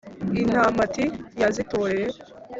intamati yazitoreye